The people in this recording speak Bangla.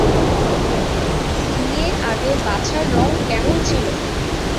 বিয়ের আগে বাছার রং কেমন ছিল!